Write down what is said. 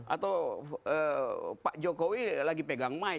atau pak jokowi lagi pegang mic